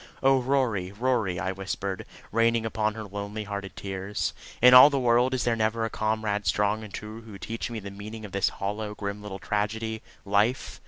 "Oh, Rory, Rory!" I whispered, raining upon her lonely hearted tears. "In all the world is there never a comrade strong and true to teach me the meaning of this hollow, grim little tragedy life?